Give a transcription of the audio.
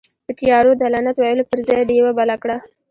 په تيارو ده لعنت ويلو پر ځئ، ډيوه بله کړه.